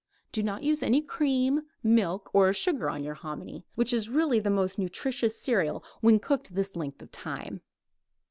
Do not use any cream, milk or sugar on your hominy, which is really the most nutritious cereal when cooked this length of time.